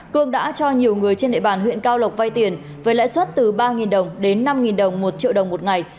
cương đã cho nhiều người trên địa bàn huyện cao lộc vay tiền với lãi suất từ ba đồng đến năm đồng một triệu đồng một ngày